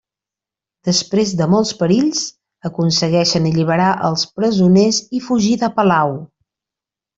Després de molts perills, aconsegueixen alliberar els presoners i fugir de palau.